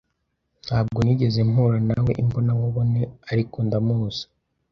Ntabwo nigeze mpura nawe imbonankubone, ariko ndamuzi.